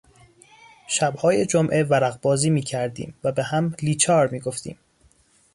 شبهای جمعه ورق بازی میکردیم و به هم لیچار میگفتیم.